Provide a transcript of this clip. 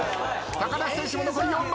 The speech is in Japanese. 高梨選手も残り４枚。